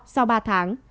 sau ba tháng